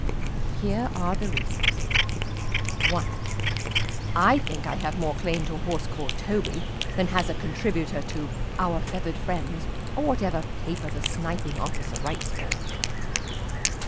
Here are the reasons: 1. I think I have more claim to a horse called Toby than has a contributor to "Our Feathered Friends" or whatever paper the Sniping Officer writes for.